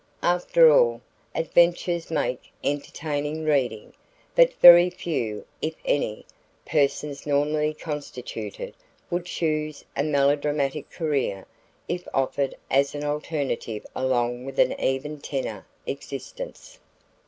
After all, adventures make entertaining reading, but very few, if any, persons normally constituted would choose a melodramatic career if offered as an alternative along with an even tenor existence.